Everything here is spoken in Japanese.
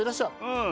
うん。